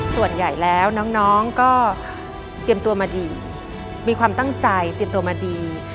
ส่วนใหญ่แล้วน้องก็เตรียมตัวมาดีมีความตั้งใจเตรียมตัวมาดี